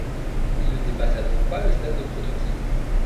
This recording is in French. Il ne dépassa donc pas le stade de prototype.